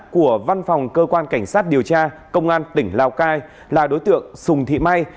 của văn phòng cơ quan cảnh sát điều tra công an tỉnh lào cai là đối tượng sùng thị may